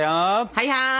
はいはい。